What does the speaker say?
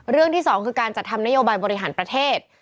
ที่สองคือการจัดทำนโยบายบริหารประเทศ